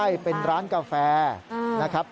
ใช่เป็นร้านกาแฟนะครับ